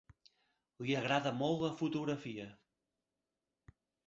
Li agrada molt la fotografia.